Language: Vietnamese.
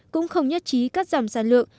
cũng không nhất trí cắt giảm sản lượng